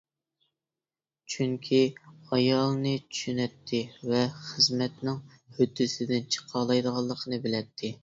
چۈنكى ئايالىنى چۈشىنەتتى ۋە خىزمەتنىڭ ھۆددىسىدىن چىقالايدىغانلىقىنى بىلەتتى.